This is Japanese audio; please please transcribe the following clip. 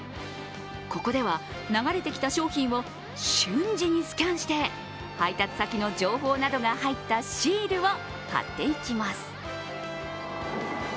ここでは流れてきた商品を瞬時にスキャンして配達先の情報などが入ったシールを貼っていきます。